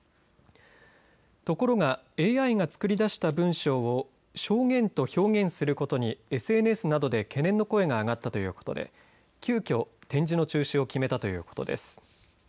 ところがＡＩが作り出した文章を証言と表現することにＳＮＳなどで懸念の声が上がったということで急きょ、展示の中止を決めたということです。